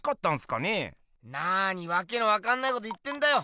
なにわけ分かんないこと言ってんだよ。